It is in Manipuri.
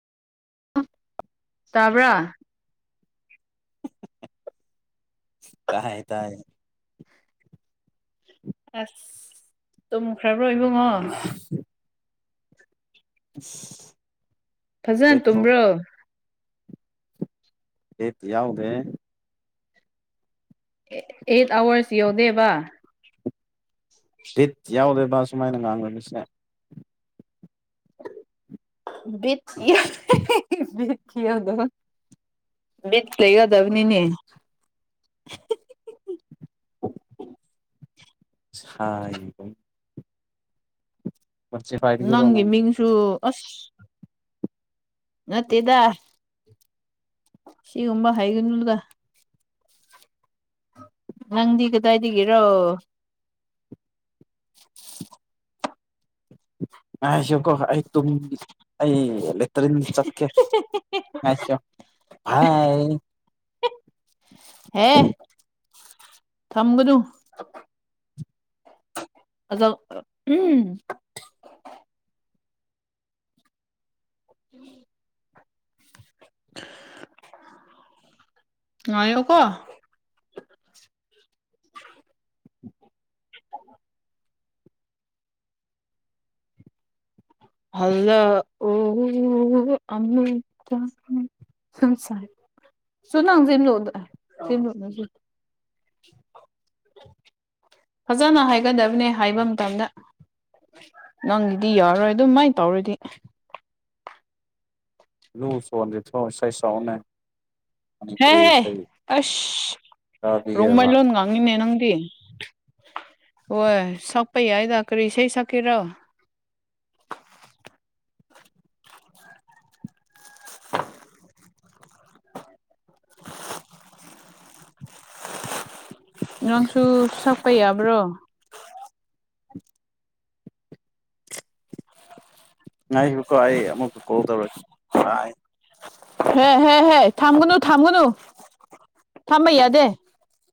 ꯇꯥꯕ꯭ꯔꯥ ꯇꯥꯏꯌ‌ꯦ ꯇꯥꯏꯌ‌ꯦ ꯑꯁ ꯇꯨꯝꯈ꯭ꯔꯕ꯭ꯔꯣ ꯏꯕꯨꯡꯉꯣ ꯏꯁ ꯐꯖꯅ ꯇꯨꯝꯕ꯭ꯔꯣ ꯕꯤꯠ ꯌꯥꯎꯗꯔ‌ꯦ ꯑꯩꯠ ꯑꯦꯠ ꯑꯥꯋꯥꯔꯁ ꯌꯧꯗꯦꯕ ꯕ‌ꯤꯠ ꯌꯥꯎꯗ‌ꯦꯕ ꯁꯨꯃꯥꯏꯅ ꯉꯥꯡꯒꯔꯕꯁꯤꯅ ꯕꯤꯠ [unintelligible] ‌‌ ꯕꯤꯠ ꯌꯥꯎꯗꯕ ꯕꯤꯠ ꯂꯩꯒꯗꯕꯅꯤꯅꯦ [unintelligible] ꯄꯥꯏꯒꯤꯔꯣ ꯅꯪꯒꯤ ꯅꯪ ꯃꯤꯡꯁꯨ ꯑꯁ ꯅꯠꯇꯦꯗ ꯁꯤꯒꯨꯝꯕ ꯍꯥꯏꯒꯅꯨꯗ ꯅꯪꯗꯤ ꯀꯗꯥꯏꯗꯒꯤꯔꯣ ꯉꯥꯏꯁꯨꯀꯣ ꯑꯩ ꯇꯨꯡ ꯑꯩ ꯂꯦꯇ꯭ꯔꯤ ꯆꯠꯀꯦ [unintelligible] [unintelligible] ꯐꯥꯏ ꯍꯦ ꯊꯝꯒꯅꯨ ꯑꯗꯣ [unintelligible] [inaudible] ꯉꯥꯏꯌꯣꯀꯣ ꯍꯜꯂꯛꯑꯣ ꯑꯃꯨꯛꯇꯪ [unintelligible] [inaudible] ꯐꯖꯅ ꯍꯥꯏꯒꯗꯕꯅꯦ ꯍꯥꯏꯕ ꯃꯇꯝꯗ ꯅꯪꯒꯤꯗꯤ ꯌꯥꯔꯣꯏ ꯑꯗꯨꯃꯥꯏ ꯇꯧꯔꯗꯤ ꯂꯨ [unintelligible] ꯃꯅꯤꯄꯨꯔꯤ ꯍꯦꯍꯦ ꯏꯁꯩ ꯑꯁ ꯔꯣꯡꯃꯩ ꯇꯥꯕꯤꯒꯦꯕ ꯂꯣꯟ ꯉꯥꯡꯉꯤꯅꯦ ꯅꯪꯗꯤ ꯍꯣꯏ ꯁꯛꯄ ꯌꯥꯏꯗ ꯀꯔꯤ ꯏꯁꯩ ꯁꯛꯀꯦꯔꯣ ꯅꯪꯁꯨ ꯁꯛꯄ ꯌꯥꯕ꯭ꯔꯣ ꯉꯥꯏꯌꯨꯀꯣ ꯑꯩ ꯑꯃꯨꯛ ꯀꯣꯜ ꯇꯧꯔꯛꯀꯦ ꯚꯥꯏ ꯍꯦ ꯍꯦ ꯍꯦ ꯊꯝꯒꯅꯨ ꯊꯝꯒꯅꯨ ꯊꯝꯕ ꯌꯥꯗꯦ